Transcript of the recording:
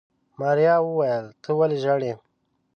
ماريا وويل ته ولې ژاړې.